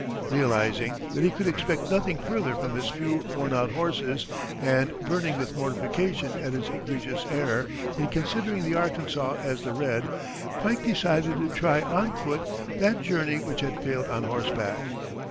Realizing that he could expect nothing further from his few worn out horses, and burning with mortification at his egregious error in considering the Arkansas as the Red, Pike decided to try on foot that journey which had failed on horseback.